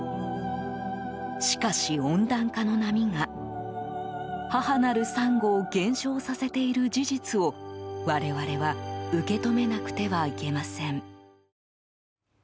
しかし、温暖化の波が母なるサンゴを減少させている事実を我々は受け止めなくてはいけません。